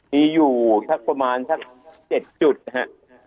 มีอยู่ประมาณสัก๗จุดค่ะ